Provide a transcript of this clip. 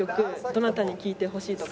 どなたに聴いてほしいですか？」。